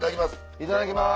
いただきます！